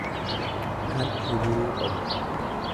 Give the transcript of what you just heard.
kan kuburuu qabu.